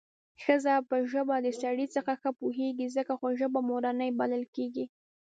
ښځه په ژبه د سړي څخه ښه پوهېږي څکه خو ژبه مورنۍ بلل کېږي